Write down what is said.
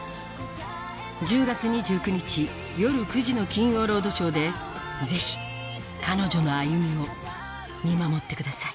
１０月２９日夜９時の『金曜ロードショー』でぜひ彼女の歩みを見守ってください